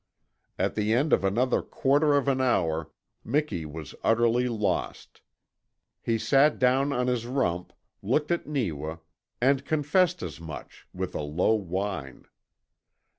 At the end of another quarter of an hour Miki was utterly lost; he sat down on his rump, looked at Neewa, and confessed as much with a low whine.